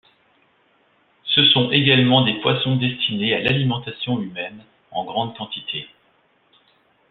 Ce sont également des poissons destinés à l’alimentation humaine en grande quantité.